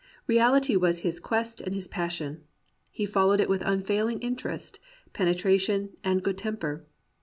Reality was his quest and his passion. He followed it with unfailing interest, penetration, and good temper.